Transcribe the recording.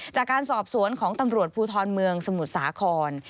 จากการสอบสวนของตำรวจภูทรเมืองสมุทรสาคร